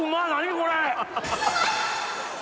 これ！